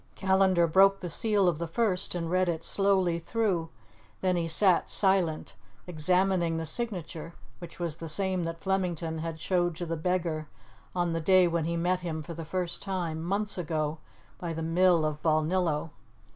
Callandar broke the seal of the first and read it slowly through; then he sat silent, examining the signature, which was the same that Flemington had showed to the beggar on the day when he met him for the first time, months ago, by the mill of Balnillo.